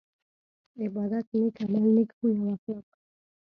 عبادت نيک عمل نيک خوي او اخلاق